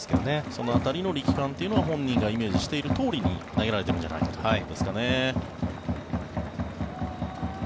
その辺りの力感というのを本人がイメージしているとおりに投げられてるんじゃないかということですかね。